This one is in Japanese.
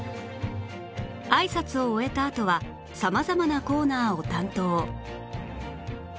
あいさつを終えたあとは様々なコーナーを担当